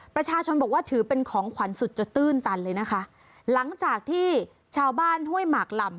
ประชาชนบอกว่าถือเป็นของขวัญสุดจะตื้นตันเลยนะคะหลังจากที่ชาวบ้านห้วยหมากลำ